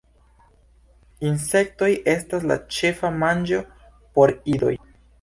Insektoj estas la ĉefa manĝo por idoj.